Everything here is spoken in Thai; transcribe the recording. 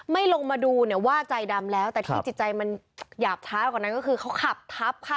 ลงมาดูเนี่ยว่าใจดำแล้วแต่ที่จิตใจมันหยาบช้ากว่านั้นก็คือเขาขับทับค่ะ